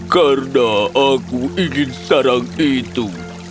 karena aku ingin sarang itu